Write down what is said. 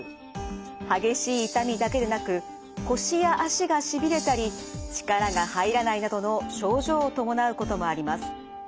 激しい痛みだけでなく腰や脚がしびれたり力が入らないなどの症状を伴うこともあります。